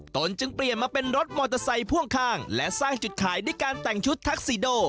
ตนจึงเปลี่ยนมาเป็นรถมอเตอร์ไซค์พ่วงข้างและสร้างจุดขายด้วยการแต่งชุดทักซีโด